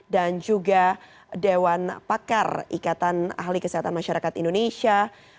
dan juga dewan pakar ikatan ahli kesehatan masyarakat indonesia